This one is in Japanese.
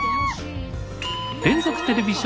連続テレビ小説